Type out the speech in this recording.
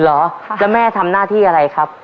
เหรอแล้วแม่ทำหน้าที่อะไรครับ